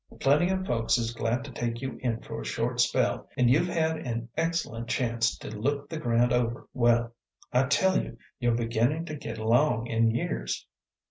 Plenty o' folks is glad to take you in for a short spell, an' you've had an excellent chance to look the ground over well. I tell you you're beginnin' to git along in years."